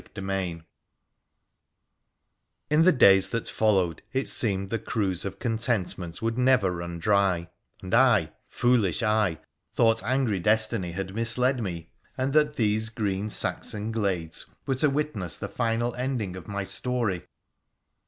CHAPTEE VII In the days that followed it seemed the cruse of contentment would never run dry, and I, foolish I, thought angry destiny had misled me, and that these green Saxon glades were to witness the final ending of my story.